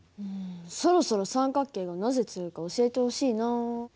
そろそろ三角形がなぜ強いか教えてほしいな。